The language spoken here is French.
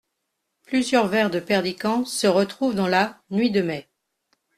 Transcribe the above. Plusieurs vers de Perdican se retrouvent dans la Nuit de Mai.